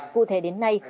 cụ thể đến nay